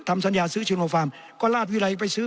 ทำสัญญาซื้อชิโนฟาร์มก็ราชวิรัยไปซื้อ